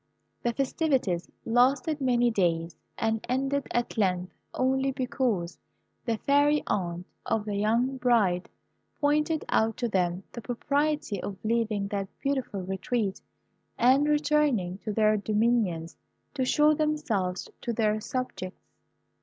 The festivities lasted many days, and ended at length only because the fairy aunt of the young bride pointed out to them the propriety of leaving that beautiful retreat, and returning to their dominions, to show themselves to their subjects.